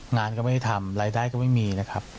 งานก็ไม่ได้ทำรายได้ก็ไม่มีนะครับ